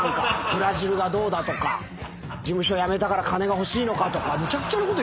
ブラジルがどうだとか事務所辞めたから金が欲しいのかとか。